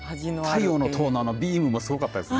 太陽の塔のビームもすごかったですね。